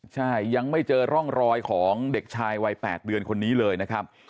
ใช่ยังไม่เจอร่องรอยของเด็กชายวัย๘เดือนคนนี้เลยนะครับ